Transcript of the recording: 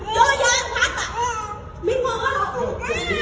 ไม่มีทางที่หรอ